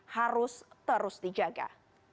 harus terus dijaga